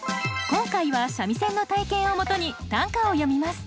今回は三味線の体験をもとに短歌を詠みます。